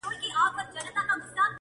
سترگي ور واوښتلې~